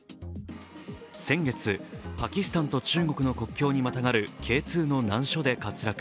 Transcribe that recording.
先月パキスタンと中国の国境にまたがるＫ２の難所で滑落。